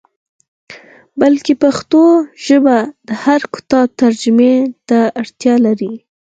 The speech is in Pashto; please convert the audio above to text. بلکې پښتو ژبه د هر کتاب ترجمې ته اړتیا لري.